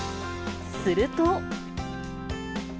すると。